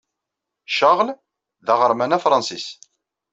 Charles d aɣerman afṛansis.